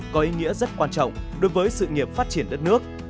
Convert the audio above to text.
có ý nghĩa rất quan trọng đối với sự nghiệp phát triển đất nước